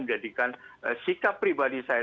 menjadikan sikap pribadi saya